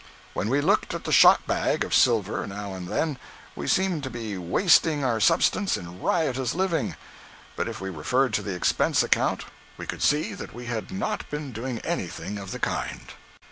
When we looked at the shot bag of silver, now and then, we seemed to be wasting our substance in riotous living, but if we referred to the expense account we could see that we had not been doing anything of the kind.